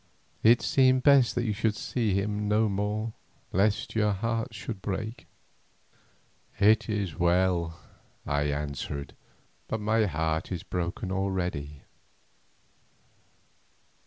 "It seemed best that you should see him no more, lest your heart should break." "It is well," I answered; "but my heart is broken already."